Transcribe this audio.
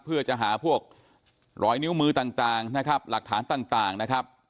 เพื่อจะหาพวกรอยนิ้วมือต่างนะครับหลักฐานต่างนะครับ